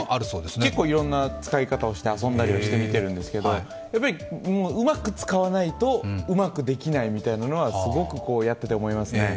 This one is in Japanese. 結構いろんな使い方をして遊んだりしてみているんですけど、やっぱりうまく使わないとうまくできないみたいなのはすごくやっていて思いますね。